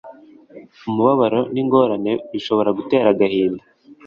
umubabaro n'ingorane bishobora gutera agahinda